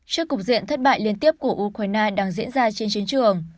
trước cục diện thất bại liên tiếp của ukraine đang diễn ra trên chiến trường